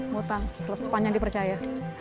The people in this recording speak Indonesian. mutang sepanjang dipercaya